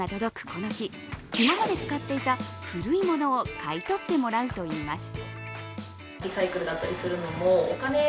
この日、今まで使っていた古いものを買い取ってもらうといいます。